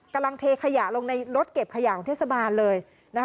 กำลังเทขยะลงในรถเก็บขยะของเทศบาลเลยนะคะ